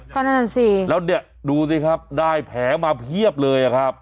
ก็นั่นสิแล้วเนี่ยดูสิครับได้แผลมาเพียบเลยอะครับ